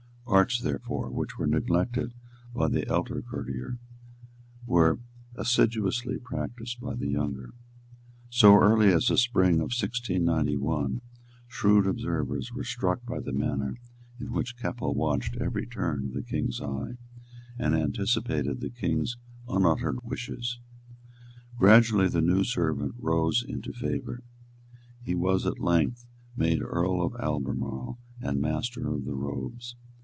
Arts, therefore, which were neglected by the elder courtier were assiduously practised by the younger. So early as the spring of 1691 shrewd observers were struck by the manner in which Keppel watched every turn of the King's eye, and anticipated the King's unuttered wishes. Gradually the new servant rose into favour. He was at length made Earl of Albemarle and Master of the Robes.